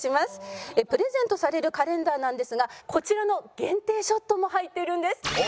プレゼントされるカレンダーなんですがこちらの限定ショットも入っているんです。